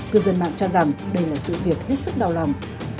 cư dân mạng cho rằng đây là sự việc hết sức đau lòng